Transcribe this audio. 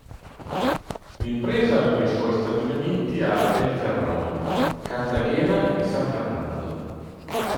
L'impresa aveva i suoi stabilimenti a El Ferrol, Cartagena e San Fernando.